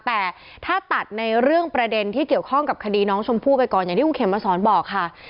แต่ถ้าตัดในเรื่องประเด็นที่เกี่ยวข้องกับคดีน้องชมพู่ไปก่อนอย่างที่คุณเข็มมาสอนบอกค่ะ